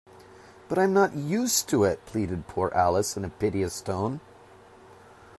‘But I’m not used to it!’ pleaded poor Alice in a piteous tone.